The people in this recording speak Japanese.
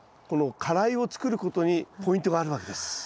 この花蕾を作ることにポイントがあるわけです。